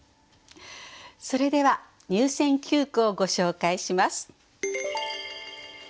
それでは入選九句をご紹介します。